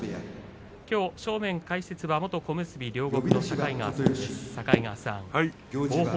きょう正面解説は元小結両国の境川さんです。